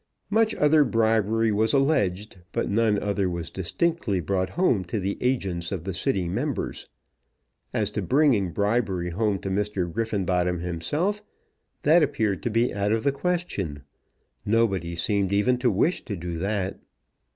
Much other bribery was alleged, but none other was distinctly brought home to the agents of the sitting members. As to bringing bribery home to Mr. Griffenbottom himself; that appeared to be out of the question. Nobody seemed even to wish to do that.